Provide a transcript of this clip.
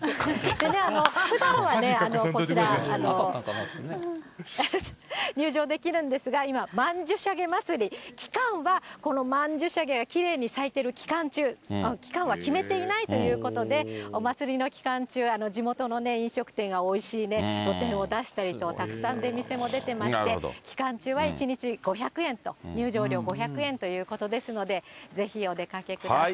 でね、ふだんはこちら、入場できるんですが、今、曼殊沙華まつり、期間はこの曼殊沙華がきれいに咲いている期間中、期間は決めていないということで、お祭りの期間中、地元の飲食店がおいしい露店を出したりと、たくさん出店も出てまして、期間中は１日５００円と、入場料５００円ということですので、ぜひお出かけください。